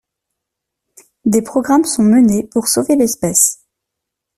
Des programmes sont menés pour sauver l'espèce.